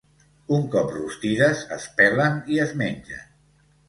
Un cop rostides es pelen i es mengen.